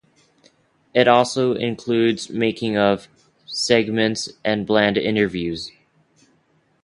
It also includes "making of" segments and band interviews.